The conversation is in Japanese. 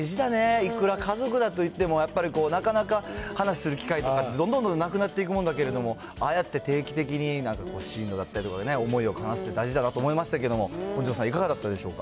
いくら家族だといっても、やっぱりこう、なかなか話する機会とかどんどんどんどんなくなっていくもんだけど、ああやって、定期的に進路だったりとか、思いを話すって大事だなと思いましたけど、本上さん、いかがだったでしょうか。